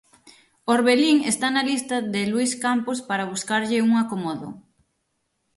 Orbelín está na lista de Luís Campos para buscarlle un acomodo.